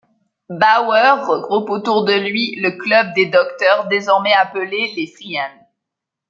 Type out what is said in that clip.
Bauer regroupe autour de lui le club des docteurs, désormais appelés les freien.